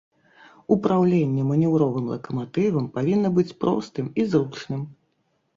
Упраўленне манеўровым лакаматывам павінна быць простым і зручным.